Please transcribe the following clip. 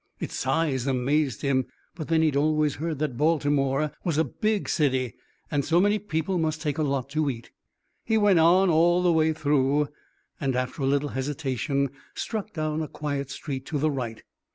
Its size amazed him; but then he'd always heard that Baltimore was a big city, and so many people must take a lot to eat. He went on, all the way through, and after a little hesitation struck down a quiet street to the right.